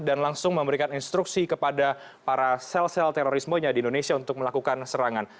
langsung memberikan instruksi kepada para sel sel terorismenya di indonesia untuk melakukan serangan